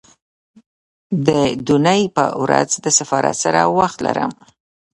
د دونۍ په ورځ د سفارت سره وخت لرم